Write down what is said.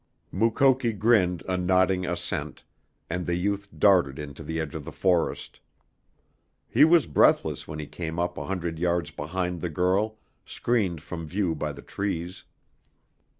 Mukoki grinned a nodding assent, and the youth darted into the edge of the forest. He was breathless when he came up a hundred yards behind the girl, screened from view by the trees.